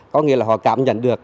có nghĩa là họ cảm nhận được